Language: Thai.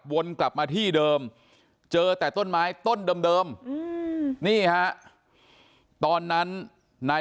วนกลับมาที่เดิมเจอแต่ต้นไม้ต้นเดิมนี่ฮะตอนนั้นนาย